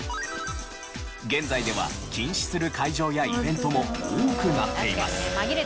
現在では禁止する会場やイベントも多くなっています。